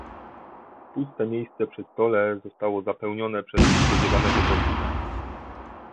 Puste miejsce przy stole zostało zapełnione przez niespodziewanego gościa.